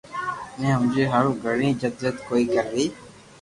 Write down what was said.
ني ھمجيا ھارون گڙي جدو جھد ڪوئي ڪروي